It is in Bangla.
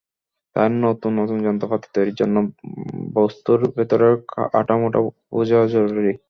তাই নতুন নতুন যন্ত্রপাতি তৈরির জন্য বস্তুর ভেতরের কাঠামোটা বোঝা জরুরি।